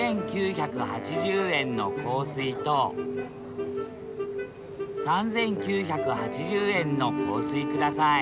２，９８０円の香水と３，９８０円の香水ください